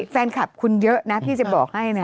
แฟนคลับคุณเยอะนะพี่จะบอกให้นะ